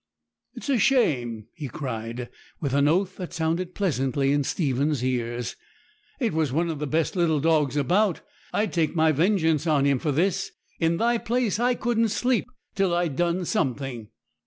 'It's a shame!' he cried, with an oath that sounded pleasantly in Stephen's ears; 'it was one of the best little dogs about. I'd take my vengeance on him for this. In thy place, I couldn't sleep till I'd done something.'